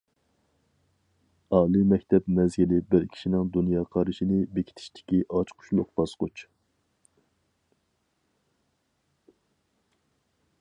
ئالىي مەكتەپ مەزگىلى بىر كىشىنىڭ دۇنيا قارىشىنى بېكىتىشتىكى ئاچقۇچلۇق باسقۇچ.